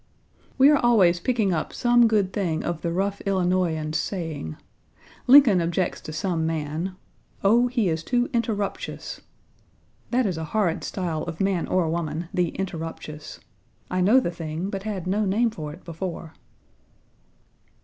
We are always picking up some good thing of the rough Illinoisan's saying. Lincoln objects to some man "Oh, he is too interruptious "; that is a horrid style of man or Page 79 woman, the interruptious. I know the thing, but had no name for it before.